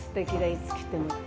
いつ来ても。